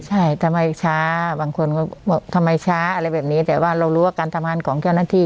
ใช่ทำไมช้าบางคนก็บอกทำไมช้าอะไรแบบนี้แต่ว่าเรารู้ว่าการทำงานของเจ้าหน้าที่